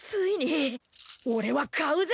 俺は買うぜ！